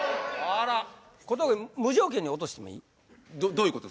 小峠無条件に落としてもいい？